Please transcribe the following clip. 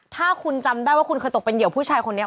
ถ้าคุณจำได้ว่าคุณเคยตกเป็นเหยื่อผู้ชายคนนี้